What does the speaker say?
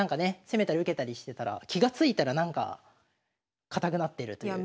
攻めたり受けたりしてたら気が付いたらなんか堅くなってるという。